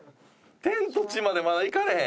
天と地までまだいかれへん。